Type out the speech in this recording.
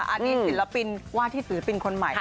อันนี้ศิลปินว่าที่ศิลปินคนใหม่